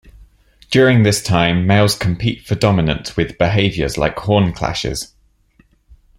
During this time, males compete for dominance with behaviors like horn clashes.